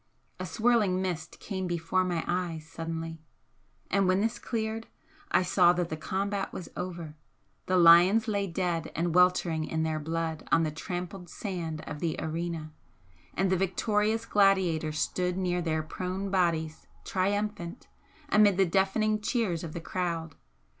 A swirling mist came before my eyes suddenly, and when this cleared I saw that the combat was over the lions lay dead and weltering in their blood on the trampled sand of the arena, and the victorious gladiator stood near their prone bodies triumphant, amid the deafening cheers of the crowd.